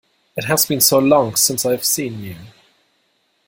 It has been so long since I have seen you!